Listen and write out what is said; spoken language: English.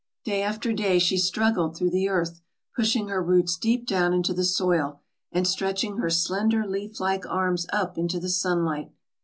Day after day she struggled through the earth, pushing her roots deep down into the soil, and stretching her slender leaf like arms up into the sunlight.